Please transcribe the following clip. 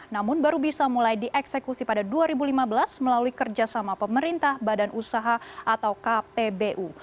namun baru bisa mulai dieksekusi pada dua ribu lima belas melalui kerjasama pemerintah badan usaha atau kpbu